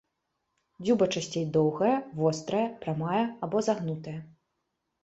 Дзюба часцей доўгая, вострая, прамая або загнутая.